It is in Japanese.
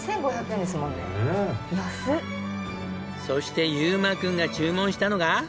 そして優馬君が注文したのが。